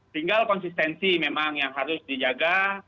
tinggal konsistensi memang yang harus dijaga